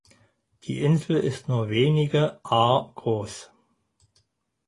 Die Insel ist nur wenige ar groß.